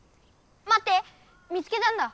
まって見つけたんだ！